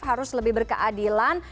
harus lebih berkeadilan